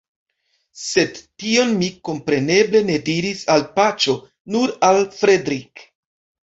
Sed tion mi kompreneble ne diris al Paĉjo, nur al Fredrik.